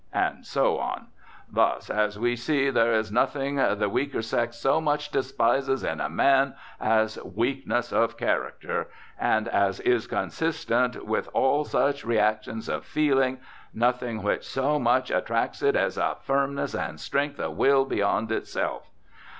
And so on. Thus, as we see, there is nothing the weaker sex so much despises in a man as weakness of character, and, as is consistent with all such reactions of feeling, nothing which so much attracts it as a firmness and strength of will beyond itself.